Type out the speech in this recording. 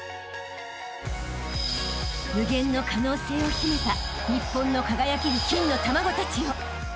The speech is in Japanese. ［無限の可能性を秘めた日本の輝ける金の卵たちよ］